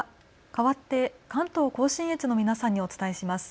かわって関東甲信越の皆さんにお伝えします。